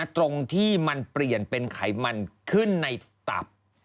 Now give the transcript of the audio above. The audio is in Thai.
ตรงที่มันเปลี่ยนเป็นไขมันขึ้นในตับ